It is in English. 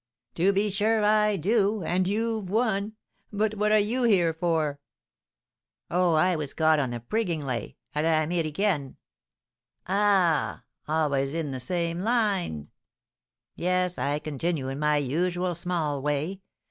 "To be sure I do, and you've won. But what are you here for?" "Oh, I was caught on the prigging lay à la Americaine." "Ah, always in the same line." "Yes, I continue in my usual small way.